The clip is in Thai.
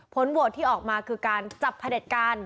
ผลโหวดที่ออกมาคือการจับผลิตการ